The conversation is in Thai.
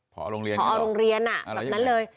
หอโรงเรียนหรออะไรอย่างนั้นหอโรงเรียนแบบนั้นเลย